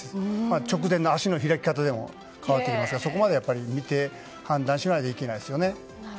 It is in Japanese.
直前の足の開き方でも変わってきますからそこまで見て判断しないといけないんですよね。